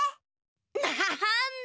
なんだ。